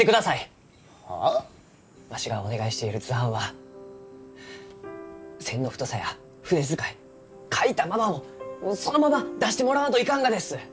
わしがお願いしている図版は線の太さや筆遣い描いたままをそのまま出してもらわんといかんがです！